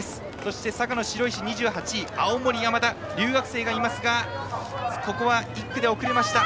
佐賀の白石、２８位青森山田、留学生がいますが１区で遅れました。